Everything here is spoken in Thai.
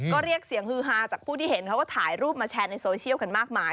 ก็เรียกเสียงฮือฮาจากผู้ที่เห็นเขาก็ถ่ายรูปมาแชร์ในโซเชียลกันมากมาย